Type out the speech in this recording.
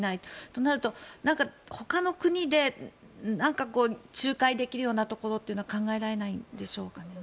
となると、ほかの国で仲介できるようなところは考えられないんでしょうかね。